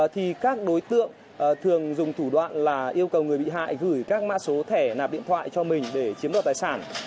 thì các đối tượng thường dùng thủ đoạn là yêu cầu người bị hại gửi các mã số thẻ nạp điện thoại cho mình để chiếm đoạt tài sản